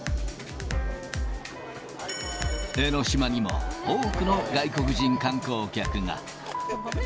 江の島にも多くの外国人観光客が。